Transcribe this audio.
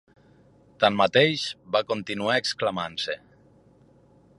Tanmateix, va continuar exclamant-se.